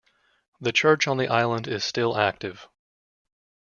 The church on the island is still active.